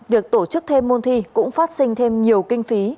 việc tổ chức thêm môn thi cũng phát sinh thêm nhiều kinh phí